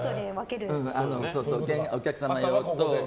お客様用と。